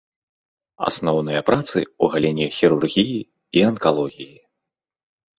Асноўныя працы ў галіне хірургіі і анкалогіі.